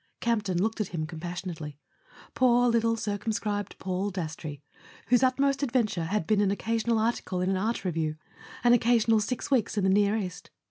Campton looked at him compassionately. Poor little circumscribed Paul Dastrey, whose utmost adventure had been an occasional article in an art review, an occasional six weeks in the near East!